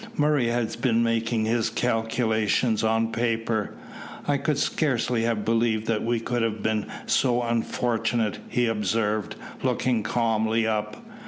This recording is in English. Murray had been making his calculations on paper. "I could scarcely have believed that we could have been so unfortunate," he observed, looking calmly up.